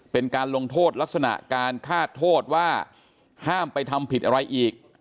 เป็นการลงโทษลักษณะการฆาตโทษว่าห้ามไปทำผิดอะไรอีก